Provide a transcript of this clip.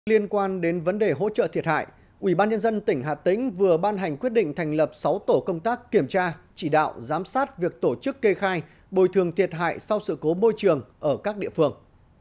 liên quan đến vấn đề hỗ trợ thiệt hại ubnd tỉnh hà tĩnh vừa ban hành quyết định thành lập sáu tổ công tác kiểm tra chỉ đạo giám sát việc tổ chức kê khai bồi thường thiệt hại sau sự cố môi trường ở các địa phương